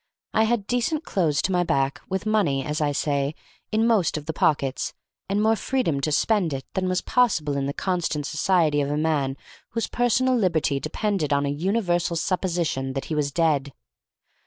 I had decent clothes to my back, with money, as I say, in most of the pockets, and more freedom to spend it than was possible in the constant society of a man whose personal liberty depended on a universal supposition that he was dead.